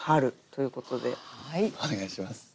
お願いします。